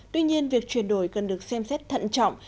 tuy nhiên việc chuyển đổi cần được xem xét thận trọng